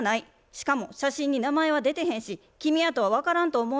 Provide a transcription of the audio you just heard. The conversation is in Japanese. しかも写真に名前は出てへんし君やとは分からんと思うよ」って言われたんやて。